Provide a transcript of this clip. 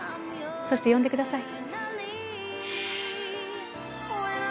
そして呼んでください。